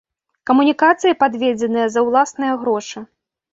Камунікацыі падведзеныя за ўласныя грошы.